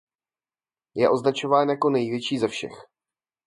Je označována jako největší ze všech.